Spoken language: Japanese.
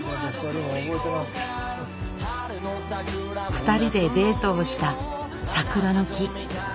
２人でデートをした桜の木。